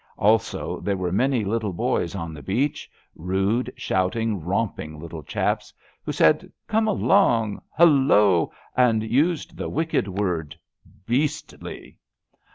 Also there were many little boys on the beach — rude, shouting, romping little chaps — who said: '*Come along 1 " ''Hullo! " and used the wicked word *' beastly